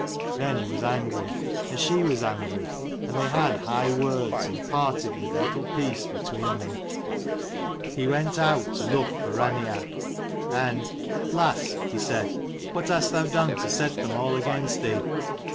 Then he was angry, and she was angry, and they had high words, and parted with little peace between them. He went out to look for Raineach, and " Lass," he said, " what hast thou done to set them all against thee